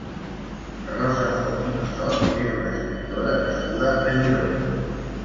Rosa Font i Massot és una escriptora nascuda a Girona.